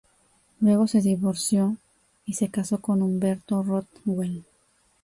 Luego, se divorció y se casó con Umberto Rothwell.